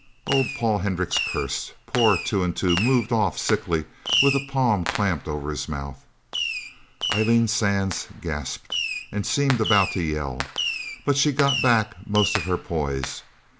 Old Paul Hendricks cursed. Poor Two and Two moved off sickly, with a palm clamped over his mouth. Eileen Sands gasped, and seemed about to yell. But she got back most of her poise.